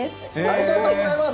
ありがとうございます。